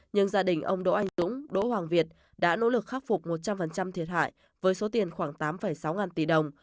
nhưng gia đình ông đỗ anh dũng đỗ hoàng việt đã nỗ lực khắc phục một trăm linh thiệt hại với số tiền khoảng tám sáu ngàn tỷ đồng